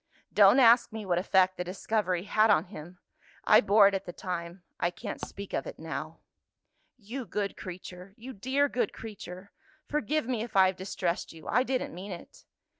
Don't ask me what effect the discovery had on him! I bore it at the time I can't speak of it now." "You good creature! you dear good creature! Forgive me if I have distressed you; I didn't meant it."